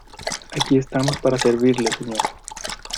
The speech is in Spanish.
aquí estamos para servirle, señor.